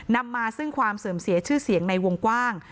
นำมาซึ่งความเสื่อมเสียชื่อเสียงในวงกว้าง